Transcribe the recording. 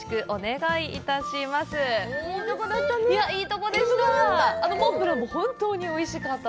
いいところでした。